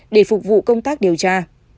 để phục vụ công tác điều tra